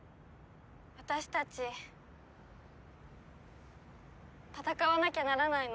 私たち戦わなきゃならないの？